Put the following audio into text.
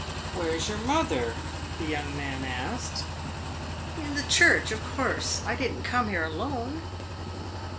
"Where is your mother?" the young man asked. "In the church, of course. I did n't come here alone!"